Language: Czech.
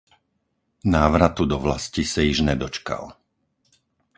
Návratu do vlasti se již nedočkal.